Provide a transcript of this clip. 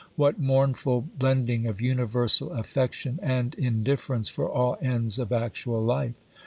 What mournful blend ing of universal affection and indifference for all ends of actual life